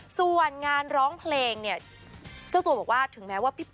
ส่วนงานร้องเพลงเนี่ยเจ้าตัวบอกว่าถึงแม้ว่าพี่ปุ